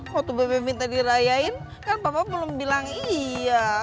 waktu bebek minta dirayain kan papa belum bilang iya